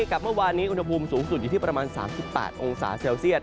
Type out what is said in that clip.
กับเมื่อวานนี้อุณหภูมิสูงสุดอยู่ที่ประมาณ๓๘องศาเซลเซียต